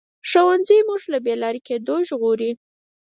ښوونځی موږ له بې لارې کېدو ژغوري